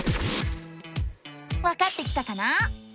わかってきたかな？